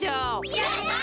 やった！